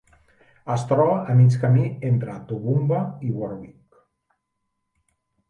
Es troba a mig camí entre Toowoomba i Warwick.